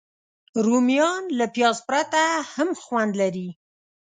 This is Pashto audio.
رومیان له پیاز پرته هم خوند لري